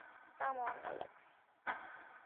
Come on, Alex!